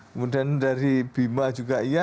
kemudian dari bima juga iya